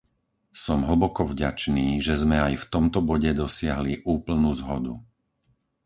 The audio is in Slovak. Som hlboko vďačný, že sme aj v tomto bode dosiahli úplnú zhodu.